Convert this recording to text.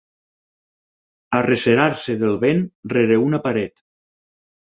Arrecerar-se del vent rere una paret.